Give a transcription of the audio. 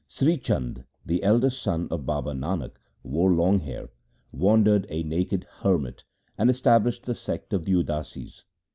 Sri Chand, the elder son of Baba Nanak, wore long hair, wandered a naked hermit, and established the sect of the Udasis.